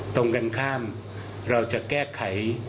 ตรงกันข้ามเราจะแก้ไข